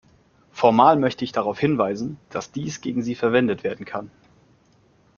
Formal möchte ich darauf hinweisen, dass dies gegen Sie verwendet werden kann.